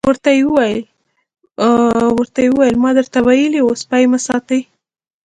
ورته ویې ویل ما درته ویلي وو سپي مه ساتئ.